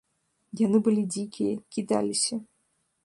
Яны былі дзікія, кідаліся.